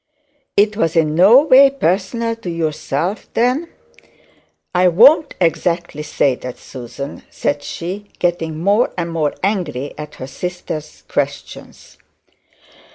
'It was in no way personal to yourself, then?' 'I won't exactly say that, Susan,' said she, getting more and more angry at her sister's questions.